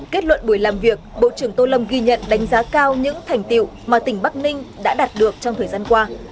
kết luận buổi làm việc bộ trưởng tô lâm ghi nhận đánh giá cao những thành tiệu mà tỉnh bắc ninh đã đạt được trong thời gian qua